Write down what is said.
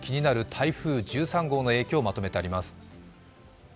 台風１３号の影響をまとめてあります。